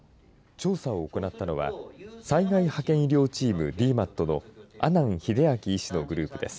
調査を行ったのは、災害派遣医療チーム、ＤＭＡＴの阿南英明医師のグループです。